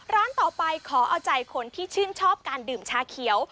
ร้านต่อไปขอเอาใจคนที่ชื่นชอบการดื่มชาเขียว